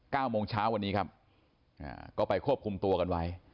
เก้าโมงเช้าวันนี้ครับอ่าก็ไปควบคุมตัวกันไว้